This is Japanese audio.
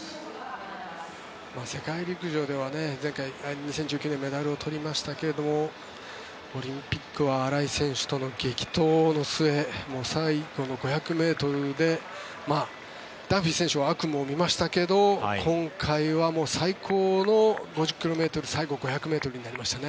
世界陸上では前回２０１９年メダルを取りましたけどオリンピックは荒井選手との激闘の末最後の５００ｍでダンフィー選手は悪夢を見ましたけど今回は最高の５０ｋｍ最後５００ｍになりましたね。